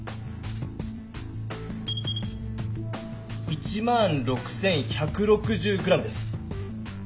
１６１６０ｇです。